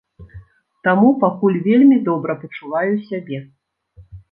Таму пакуль вельмі добра пачуваю сябе.